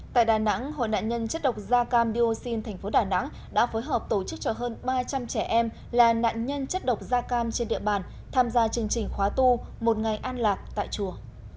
tại đà nẵng hội nạn nhân chất độc da cam dioxin thành phố đà nẵng đã phối hợp tổ chức cho hơn ba trăm linh trẻ em là nạn nhân chất độc da cam trên địa bàn tham gia chương trình khóa tu một ngày an lạc tại chùa